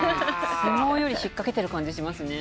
相撲より引っ掛けてる感じしますね。